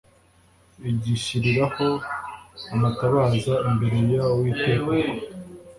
agishyiriraho amatabaza imbere y uwiteka uko